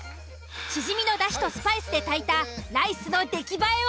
シジミのだしとスパイスで炊いたライスの出来栄えは？